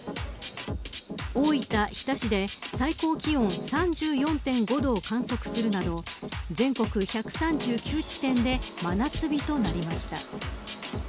大分、日田市で最高気温３４．５度を観測するなど全国１３９地点で真夏日となりました。